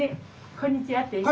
こんにちは。